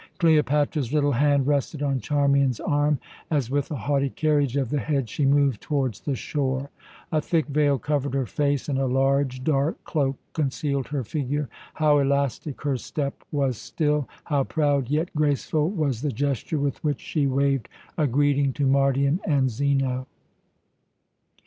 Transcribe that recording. Cleopatra's little hand rested on Charmian's arm, as, with a haughty carriage of the head, she moved towards the shore. A thick veil covered her face, and a large, dark cloak concealed her figure. How elastic her step was still! how proud yet graceful was the gesture with which she waved a greeting to Mardion and Zeno!